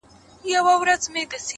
هغه چي هيڅوک نه لري په دې وطن کي;